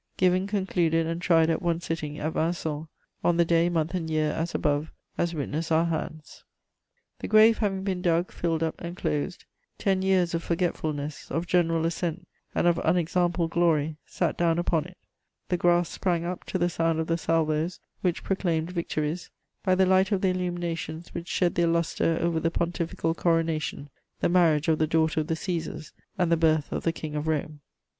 "Given, concluded, and tried at one sitting, at Vincennes, on the day, month and year as above, as witness our hands." * The grave having been "dug, filled up, and closed," ten years of forgetfulness, of general assent and of unexampled glory sat down upon it; the grass sprang up to the sound of the salvoes which proclaimed victories, by the light of the illuminations which shed their lustre over the pontifical coronation, the marriage of the daughter of the Cæsars, and the birth of the King of Rome.